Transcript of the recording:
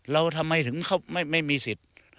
เราทำไมเข้ามาไม่มีสิทธิ์